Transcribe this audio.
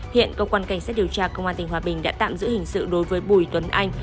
hiện công an cảnh sát điều tra công an tp hòa bình đã tạm giữ hình sự đối với bùi tuấn anh